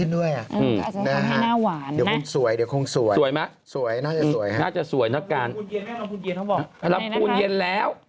เดี๋ยวคงสวยนะครับสวยน่าจะสวยครับรับอุณเย็นแล้ว